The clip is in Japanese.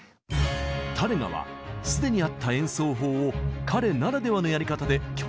タレガは既にあった演奏法を彼ならではのやり方で曲に使いました。